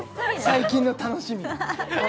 最近の楽しみ